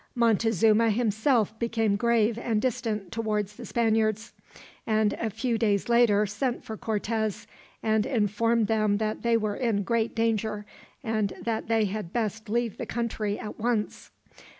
Montezuma himself became grave and distant towards the Spaniards; and a few days later sent for Cortez, and informed them that they were in great danger, and that they had best leave the country, at once.